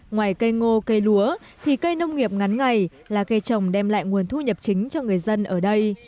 ngoài cây ngô cây lúa thì cây nông nghiệp ngắn ngày là cây trồng đem lại nguồn thu nhập chính cho người dân ở đây